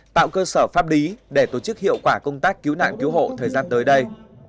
tạo cơ sở pháp lý để tổ chức hiệu quả công tác cứu nạn cứu hộ thời gian tới đây